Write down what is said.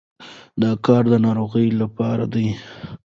دا کار د ناروغ لپاره دی.